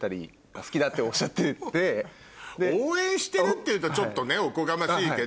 応援してるって言うとちょっとねおこがましいけど。